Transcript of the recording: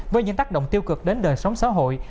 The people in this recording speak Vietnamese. với những tác động tiêu cực đến đời sống xã hội